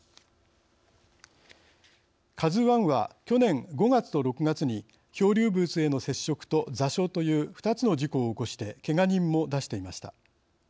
ＫＡＺＵⅠは去年５月と６月に漂流物への接触と座礁という２つの事故を起こしてけが人も出していました。